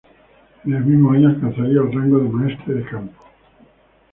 En el mismo año alcanzaría el rango de maestre de campo.